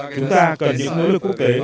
chúng ta cần những nỗ lực quốc tế